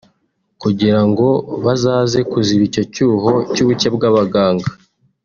kugira ngo bazaze kuziba icyo cyuho cy’ubuke bw’abaganga